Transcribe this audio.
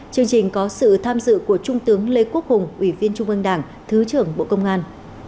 chương trình có sự tham dự của trung tướng lê quốc hùng ủy viên trung ương đảng thứ trưởng bộ công an